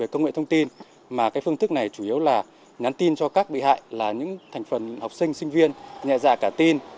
công nghệ thông tin mà cái phương thức này chủ yếu là nhắn tin cho các bị hại là những thành phần học sinh sinh viên nhẹ dạ cả tin